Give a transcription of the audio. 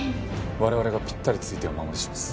我々がぴったり付いてお守りします。